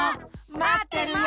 まってるよ！